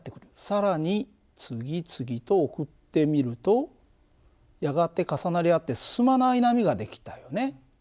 更に次々と送ってみるとやがて重なり合って進まない波が出来たよね。